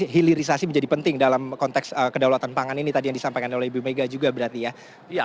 hilirisasi menjadi penting dalam konteks kedaulatan pangan ini tadi yang disampaikan oleh ibu mega juga berarti ya